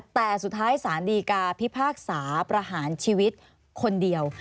แต่สุดท้ายสารดีกาพิพากษาประหารชีวิตคนเดียว